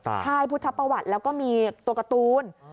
ใช่พุทธประวัติแล้วก็มีตัวการ์ตูน